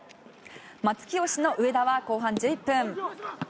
まつき推しの上田は後半１１分。